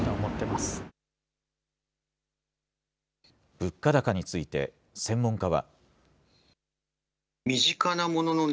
物価高について、専門家は。